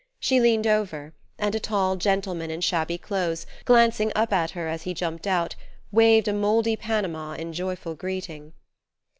She leaned over, and a tall gentleman in shabby clothes, glancing up at her as he jumped out, waved a mouldy Panama in joyful greeting.